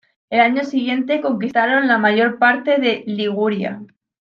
Al año siguiente conquistaron la mayor parte de Liguria.